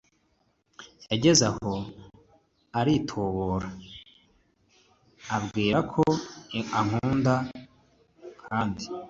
yageze aho araritobora ambwira ko ankunda kandi